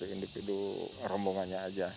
individu rombongannya saja